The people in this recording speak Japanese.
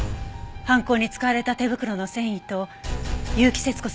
犯行に使われた手袋の繊維と結城節子さんの指紋です。